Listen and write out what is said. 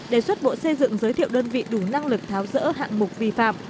đề xuất bộ xây dựng giới thiệu đơn vị đủ năng lực tháo rỡ hạng mục vi phạm